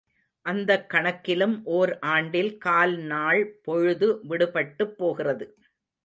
அந்தக் கணக்கிலும், ஓர் ஆண்டில் கால் நாள் பொழுது விடுபட்டுப் போகிறது.